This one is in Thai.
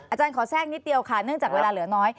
อาจารย์ขอแทรกนิดเดียวค่ะเนื่องจากเวลาเหลือน้อย